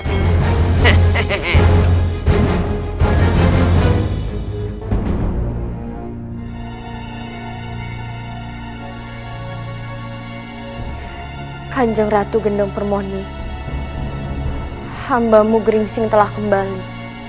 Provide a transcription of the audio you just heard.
kanjeng ratu gendong permohonan hambamu geringsing telah kembali